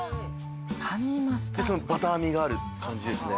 でそのバターみがある感じですね。